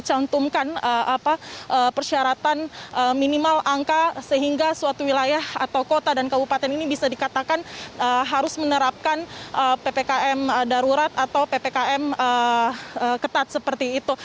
untuk persyaratan minimal angka sehingga suatu wilayah atau kota dan kabupaten ini bisa dikatakan harus menerapkan ppkm darurat atau ppkm ketat seperti itu